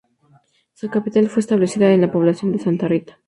Su capital fue establecida en la población de Santa Rita.